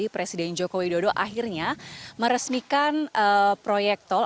presiden joko widodo akhirnya meresmikan proyek tol